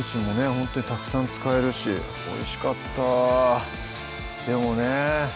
ほんとにたくさん使えるしおいしかったでもね